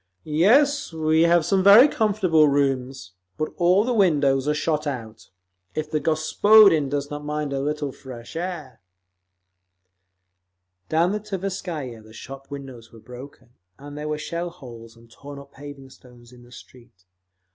"Yes, we have some very comfortable rooms, but all the windows are shot out. If the gospodin does not mind a little fresh air…." Down the Tverskaya the shop windows were broken, and there were shell holes and torn up paving stones in the street.